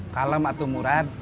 kalah mbak tumuran